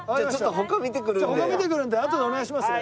他見てくるんであとでお願いしますね。